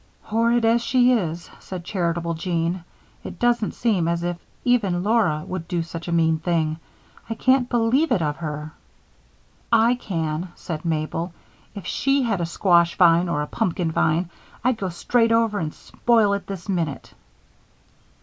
"Horrid as she is," said charitable Jean, "it doesn't seem as if even Laura would do such a mean thing. I can't believe it of her." "I can," said Mabel. "If she had a squash vine, or a pumpkin vine, I'd go straight over and spoil it this minute."